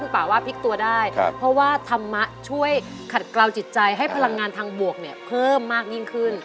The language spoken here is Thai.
ป่าว่าพลิกตัวได้เพราะว่าธรรมะช่วยขัดกล่าวจิตใจให้พลังงานทางบวกเนี่ยเพิ่มมากยิ่งขึ้น